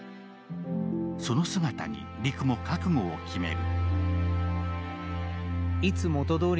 その姿に、陸も覚悟を決める。